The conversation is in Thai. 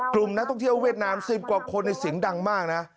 กลุ่มนักท่องเที่ยวเวียดนาม๑๐กว่าคนในเสียงดังมากนะ